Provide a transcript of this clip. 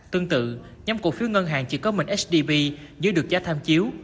tương tự nhóm cổ phiếu ngân hàng chỉ có mình sdp dưới được giá tham chiếu